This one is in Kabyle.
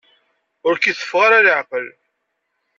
Ur k-iteffeɣ ara leεqel.